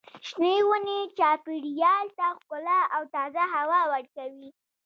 شنې ونې چاپېریال ته ښکلا او تازه هوا ورکوي.